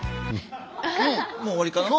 もう終わりかな？